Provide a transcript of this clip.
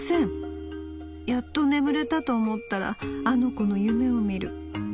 やっと眠れたと思ったらあの子の夢を見る。